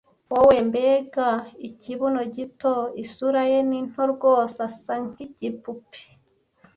Wowe mbega ikibuno gito! Isura ye ni nto, rwose asa nkigipupe!